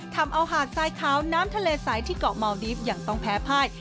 ทำเอาหาดทรายขาวน้ำทะเลใสที่เกาะเมาดีฟยังต้องแพ้พ่าย